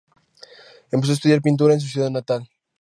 Empezó a estudiar pintura en su ciudad natal.